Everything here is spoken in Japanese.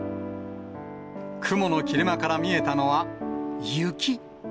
雲の切れ間から見えたのは雪。